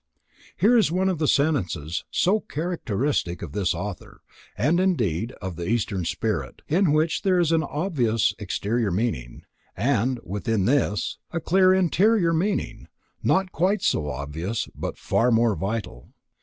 Here is one of the sentences, so characteristic of this author, and, indeed, of the Eastern spirit, in which there is an obvious exterior meaning, and, within this, a clear interior meaning, not quite so obvious, but far more vital.